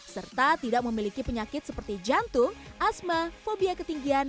serta tidak memiliki penyakit seperti jantung asma fobia ketinggian